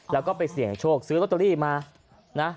แล้วก็ไปเสี่ยงโชคซื้อลอตเตอรี่มานะ